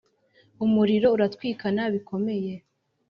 Umuriro uratwikana bikomeye.